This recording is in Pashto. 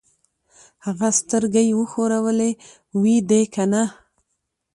هغه سترګۍ وښورولې: وي دې کنه؟